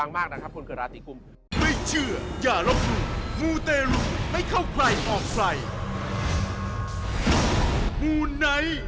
มูลไหน